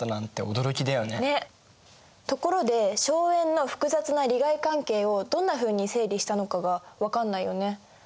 ところで荘園の複雑な利害関係をどんなふうに整理したのかが分かんないよね。